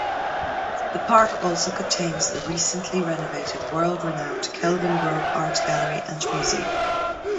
The park also contains the recently renovated world-renowned Kelvingrove Art Gallery and Museum.